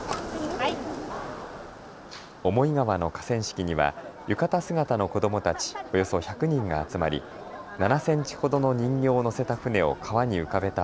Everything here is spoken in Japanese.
思川の河川敷には浴衣姿の子どもたち、およそ１００人が集まり７センチほどの人形をのせた舟を川に浮かべた